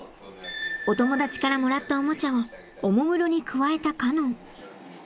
お友達からもらったオモチャをおもむろにくわえたカノン。